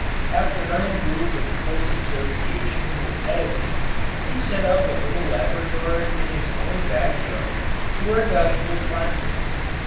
After nine years of close association with Edison he set up a little laboratory in his own back yard to work out new plastics.